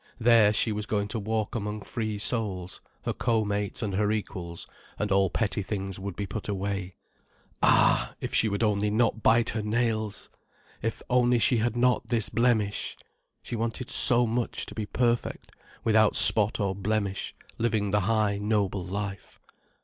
There, she was going to walk among free souls, her co mates and her equals, and all petty things would be put away. Ah, if only she did not bite her nails! If only she had not this blemish! She wanted so much to be perfect—without spot or blemish, living the high, noble life.